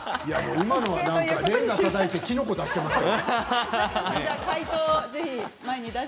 今のはれんがをたたいてきのこを出していましたよ。